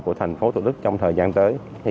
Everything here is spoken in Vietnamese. của thành phố thủ đức trong thời gian tới